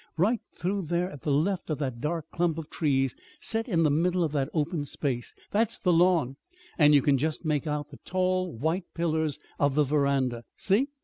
Right through there at the left of that dark clump of trees, set in the middle of that open space. That's the lawn, and you can just make out the tall white pillars of the veranda. See?"